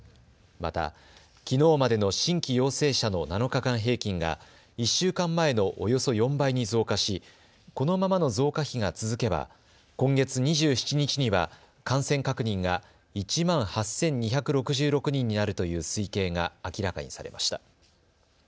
また、きのうまでの新規陽性者の７日間平均が１週間前のおよそ４倍に増加し、このままの増加比が続けば今月２７日には感染確認が１万８２６６人になるという推計が明らかにされました。